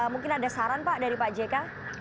mungkin ada saran pak dari pak jk